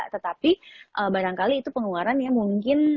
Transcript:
tetapi barangkali itu pengeluaran yang mungkin